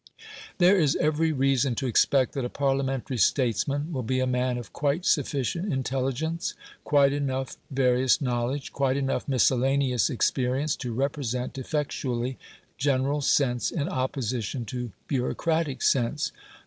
There is every reason to expect that a Parliamentary statesman will be a man of quite sufficient intelligence, quite enough various knowledge, quite enough miscellaneous experience, to represent effectually general sense in opposition to bureaucratic sense.